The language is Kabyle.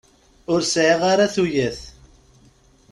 Ur sεiɣ ara tuyat.